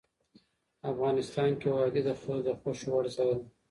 افغانستان کې وادي د خلکو د خوښې وړ ځای دی.